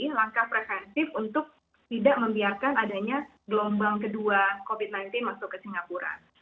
ini langkah preventif untuk tidak membiarkan adanya gelombang kedua covid sembilan belas masuk ke singapura